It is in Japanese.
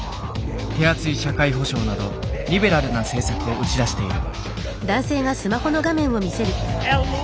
手厚い社会保障などリベラルな政策を打ち出している。